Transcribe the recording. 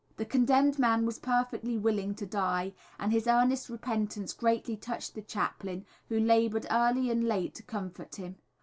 The condemned man was perfectly willing to die, and his earnest repentance greatly touched the chaplain who laboured early and late to comfort him.